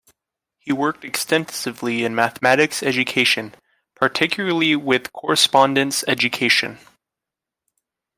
He worked extensively in mathematics education, particularly with correspondence education.